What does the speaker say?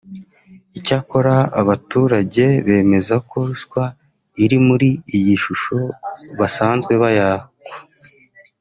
Icyakora aba baturage bemeza ko ‘ruswa’ iri muri iyi shusho basanzwe bayakwa